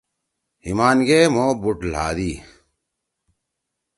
ہِمان گے مھو بُوٹ لھادی۔